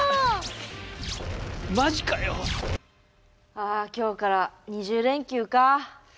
ああ今日から２０連休かあ。